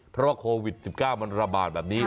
เพราะว่าโควิด๑๙มันระบาดแบบนี้